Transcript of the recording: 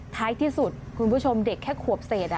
ท้ายที่สุดคุณผู้ชมเด็กแค่ขวบเศษ